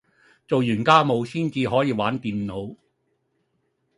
做完家務先至可以玩電腦